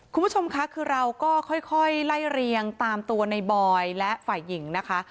คุณผู้ชมค่ะคือเราก็ค่อยไล่เรียงตามตัวในบอยและฝ่ายหญิงนะคะ